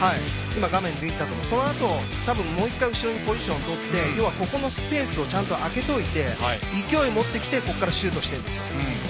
そのあと、多分もう１回後ろにポジションをとって黄色のスペースを空けておいて勢いを持ってきてここからシュートしてるんです。